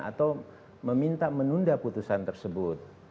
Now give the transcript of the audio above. atau meminta menunda putusan tersebut